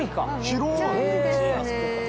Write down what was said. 広い。